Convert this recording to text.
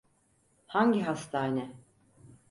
Hangi hastane?